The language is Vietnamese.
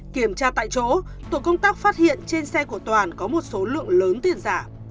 kiểm tra tại chỗ tổ công tác phát hiện trên xe của toàn có một số lượng lớn tiền giả